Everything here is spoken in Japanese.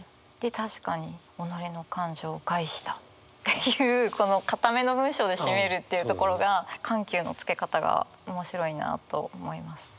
「たしかに己の感情を害した」っていうこの堅めの文章で締めるっていうところが緩急のつけ方が面白いなと思います。